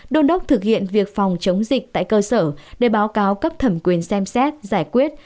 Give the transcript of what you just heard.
đôn đốc thực hiện việc phòng chống dịch tại cơ sở để báo cáo cấp thẩm quyền xem xét giải quyết